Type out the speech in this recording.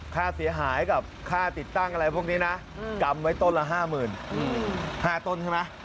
ค่าเสียหายกับค่าติดตั้งอะไรพวกนี้นะกรรมไว้ต้นละห้าหมื่นห้าต้นใช่ไหม